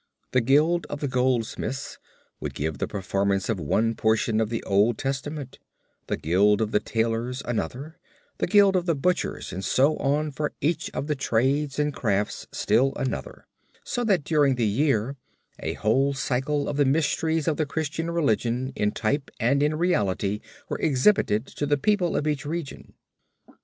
The guild of the goldsmiths would give the performance of one portion of the Old Testament; the guild of the tailors another; the guild of the butchers and so on for each of the trades and crafts still another, so that during the year a whole cycle of the mysteries of the Christian religion in type and in reality were exhibited to the people of each region.